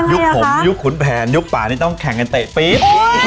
ผมยุคขุนแผนยุคป่านี่ต้องแข่งกันเตะปี๊บ